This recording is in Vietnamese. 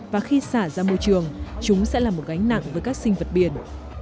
và khi xả ra môi trường chúng sẽ là một gánh nặng với các sinh vật biển